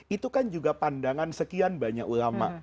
itu kan juga pandangan sekian banyak ulama